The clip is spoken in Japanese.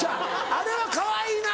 あれは「かわいいな！」